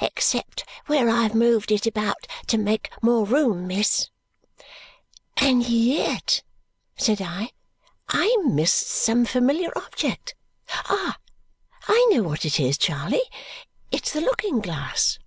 "Except where I have moved it about to make more room, miss." "And yet," said I, "I miss some familiar object. Ah, I know what it is, Charley! It's the looking glass."